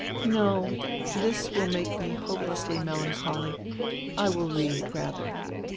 "No, this will make me hopelessly melancholy; I will read, rather."